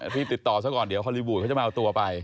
รีบติดต่อซะก่อนเดี๋ยวฮอลลีวูดเขาจะมาเอาตัวไป